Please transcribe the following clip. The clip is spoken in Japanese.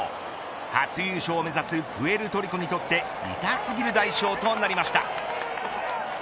初優勝を目指すプエルトリコにとって痛すぎる代償となりました。